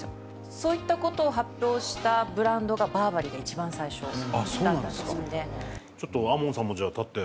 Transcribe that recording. そういった事を発表したブランドがバーバリーが一番最初だったんですよね。